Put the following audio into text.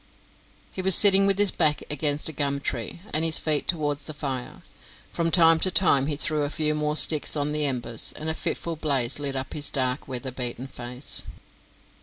He was sitting with his back against a gum tree, and his feet towards the fire. From time to time he threw a few more sticks on the embers, and a fitful blaze lit up his dark weatherbeaten face.